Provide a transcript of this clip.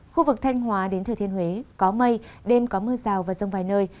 khu vực thanh hóa đến thừa thiên huế có mây đêm có mưa rào và rông vài nơi